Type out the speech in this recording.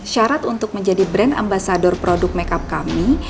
syarat untuk menjadi brand ambasador produk makeup kami